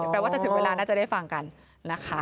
ว่าจะถึงเวลาน่าจะได้ฟังกันนะคะ